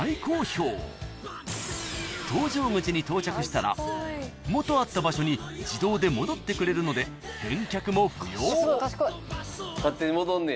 ［搭乗口に到着したら元あった場所に自動で戻ってくれるので返却も不要］